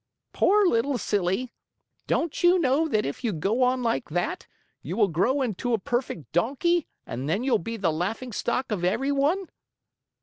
"Poor little silly! Don't you know that if you go on like that, you will grow into a perfect donkey and that you'll be the laughingstock of everyone?"